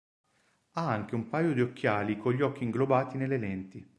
Ha anche un paio di occhiali con occhi inglobati nelle lenti.